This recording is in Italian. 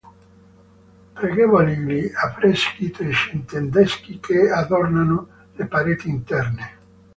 Pregevoli gli affreschi trecenteschi che adornano le pareti interne.